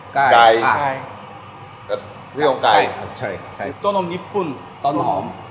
กลายใช่